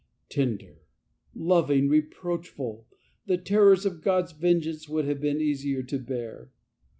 Tender, loving, reproachful — the terrors of God's vengeance would have been easier to bear.